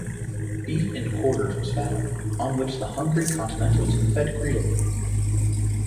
Beef in quarters was found, on which the hungry continentals fed greedily.